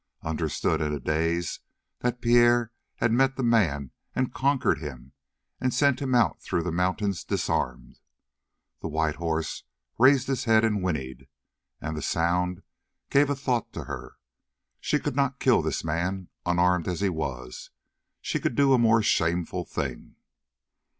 Understood in a daze that Pierre had met the man and conquered him and sent him out through the mountains disarmed. The white horse raised his head and whinnied, and the sound gave a thought to her. She could not kill this man, unarmed as he was; she could do a more shameful thing.